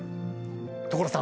所さん！